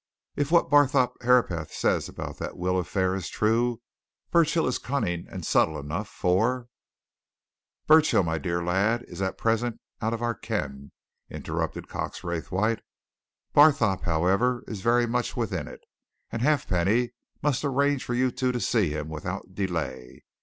If what Barthorpe Herapath says about that will affair is true, Burchill is cunning and subtle enough for " "Burchill, my dear lad, is at present out of our ken," interrupted Cox Raythwaite. "Barthorpe, however, is very much within it, and Halfpenny must arrange for you two to see him without delay.